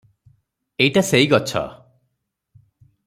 ଏଇଟା ସେଇ ଗଛ ।